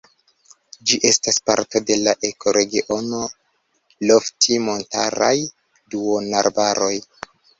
Ĝi estas parto de la ekoregiono lofti-montaraj duonarbaroj.